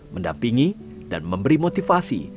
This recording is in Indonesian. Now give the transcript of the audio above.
mendampingi dan memberi motivasi